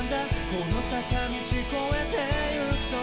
この坂道超えて行くと」